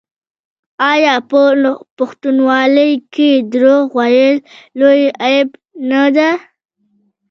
آیا په پښتونولۍ کې دروغ ویل لوی عیب نه دی؟